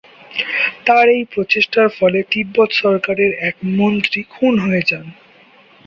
তার এই প্রচেষ্টার ফলে তিব্বত সরকারের এক মন্ত্রী খুন হয়ে যান।